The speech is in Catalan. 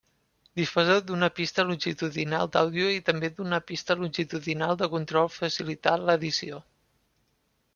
Disposa d'una pista longitudinal d'àudio i també d'una pista longitudinal de control facilitar l'edició.